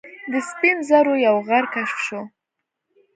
د سپین زرو یو غر کشف شو.